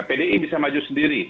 pdi bisa maju sendiri